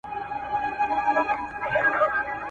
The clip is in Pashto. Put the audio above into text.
کډوال اکثراً د روغتيايي خدمتونو د لګښت توان نه لري.